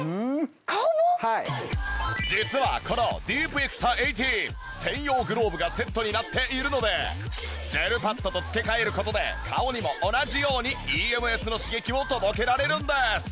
実はこのディープエクサ１８専用グローブがセットになっているのでジェルパッドと付け替える事で顔にも同じようにＥＭＳの刺激を届けられるんです。